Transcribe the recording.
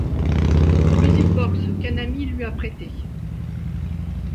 Music Box, qu'un ami lui a prêté.